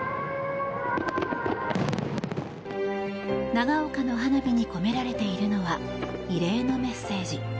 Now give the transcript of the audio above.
長岡の花火に込められているのは慰霊のメッセージ。